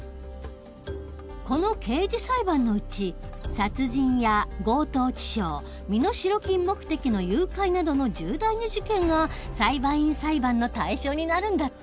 この刑事裁判のうち殺人や強盗致傷身代金目的の誘拐などの重大な事件が裁判員裁判の対象になるんだって。